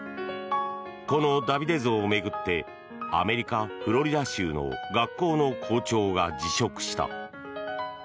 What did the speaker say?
このダビデ像を巡ってアメリカ・フロリダ州の学校の校長が辞職した。